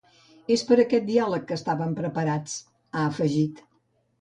És per aquest diàleg que estàvem preparats, ha afegit.